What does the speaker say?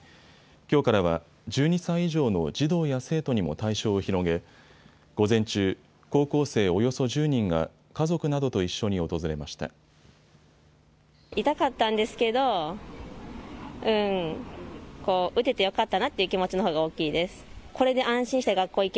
きょうからは１２歳以上の児童や生徒にも対象を広げ午前中、高校生およそ１０人が家族などと一緒に訪れました。